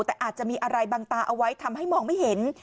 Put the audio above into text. แต่อาจจะมีอะไรบังตาเอาไว้ทำให้มองไม่เห็น